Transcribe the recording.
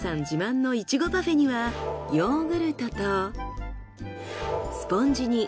自慢のイチゴパフェにはヨーグルトと。